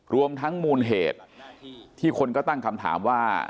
รวมทั้งมูลเหตุที่คนก็ตั้งคำถามว่า